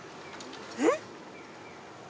えっ！？